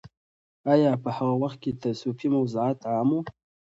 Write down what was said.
آیا په هغه وخت کې تصوفي موضوعات عام وو؟